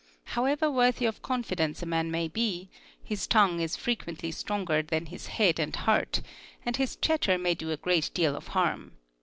However worthy of confidence a man may be, J :|| j PREPARATION 125 tongue is frequently stronger than his head and heart, and his chatter may do a great deal of harm.